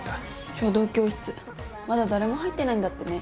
書道教室まだ誰も入ってないんだってね。